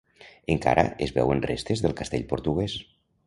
Encara es veuen restes del castell portuguès.